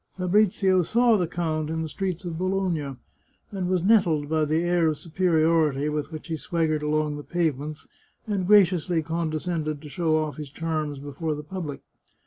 Fabrizio saw the count in the streets of Bologna, and was nettled by the air of superiority with which he swaggered along the pavements, and graciously condescended to show off his charms before the public.